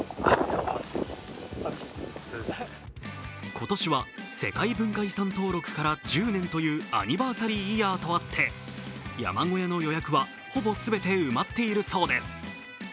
今年は世界文化遺産登録から１０年というアニバーサリーイヤーとあって山小屋の予約はほぼすべて埋まっているそうです。